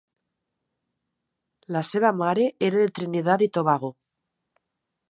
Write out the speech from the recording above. La seva mare era de Trinidad i Tobago.